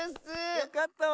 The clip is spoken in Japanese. よかったわ。